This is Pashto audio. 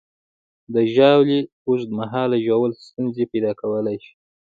د ژاولې اوږد مهاله ژوول ستونزې پیدا کولی شي.